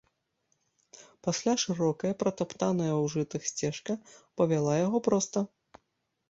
Пасля шырокая, пратаптаная ў жытах сцежка павяла яго проста.